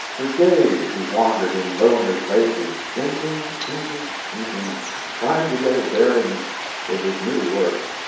For days he wandered in lonely places, thinking, thinking, thinking trying to get his bearings. It was new work.